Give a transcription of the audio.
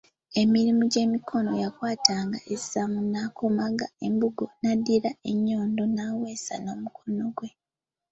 Emirimu egy'emikono, yakwatanga ensaamu n'akomaga embugo n'addira n'ennyondo n'aweesa n'omukono gwe.